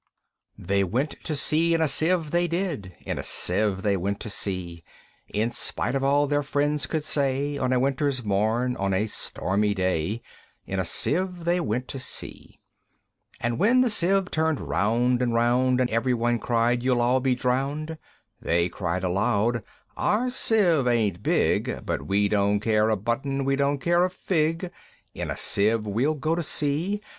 I. They went to sea in a Sieve, they did, In a Sieve they went to sea: In spite of all their friends could say, On a winter's morn, on a stormy day, In a Sieve they went to sea! And when the Sieve turned round and round, And every one cried, "You'll all be drowned!" They cried aloud, "Our Sieve ain't big, But we don't care a button, we don't care a fig! In a Sieve we'll go to sea!"